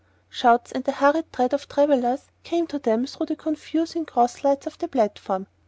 Shouts and the hurried tread of travellers came to them through the confusing cross lights of the platform.